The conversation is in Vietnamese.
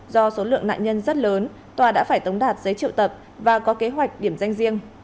do số lượng nạn nhân rất lớn tòa đã phải tống đạt giấy triệu tập và có kế hoạch điểm danh riêng